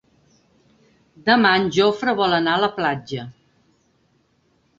Demà en Jofre vol anar a la platja.